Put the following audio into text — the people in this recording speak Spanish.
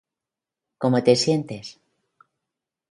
¿Cómo te sientes?